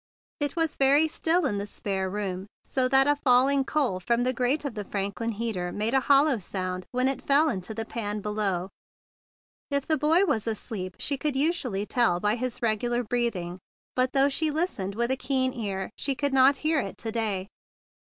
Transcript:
It was very still in the spare room, so still that a falling coal from the grate of the Franklin heater made a hollow sound when it fell into the pan below. If the boy was asleep, she could usually tell by his regular breathing; but, though she listened with a keen ear, she could not hear it to day.